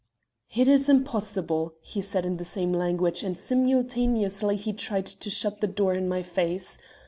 "'It is impossible,' he said in the same language, and simultaneously he tried to shut the door in my face.